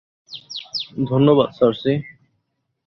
ধন্যবাদ, সার্সি।